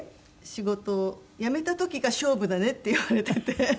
仕事を辞めた時が勝負だねって言われてて。